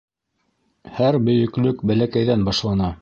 Һәр бөйөклөк бәләкәйҙән башлана.